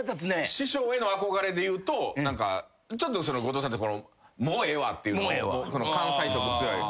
師匠への憧れでいうと何かちょっと後藤さんって「もうええわ！」っていうのを関西色強い「もうええわ！」